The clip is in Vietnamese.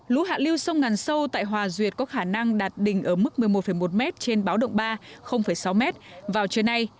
lũ hạ lưu sông ngàn sâu tại hòa duyệt có khả năng đạt đỉnh ở mức một mươi một một m trên báo động ba sáu m vào trưa nay